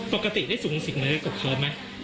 ปกติได้สูงสิ่งใบด้วยกับเขาเหรอไม่ได้คุยได้อะไรกับเขา